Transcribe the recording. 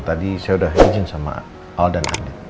tadi saya udah izin sama al dan andin